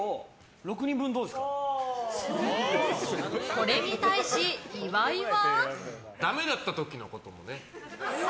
これに対し、岩井は。